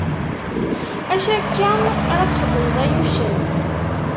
Acu akka ara txeddmeḍ ay uccen?